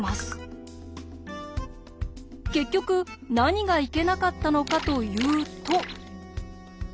結局何がいけなかったのかというと。